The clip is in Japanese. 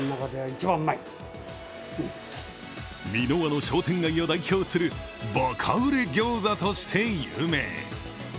三ノ輪の商店街を代表するバカ売れギョーザとして有名。